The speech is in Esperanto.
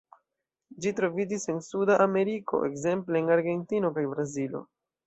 Ĝi troviĝis en Suda Ameriko, ekzemple en Argentino kaj Brazilo.